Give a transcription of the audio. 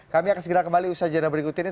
kami akan segera kembali usaha jadwal berikut ini